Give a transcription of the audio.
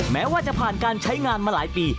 แม้ว่าจะผ่านการใช้งานมาหลายปี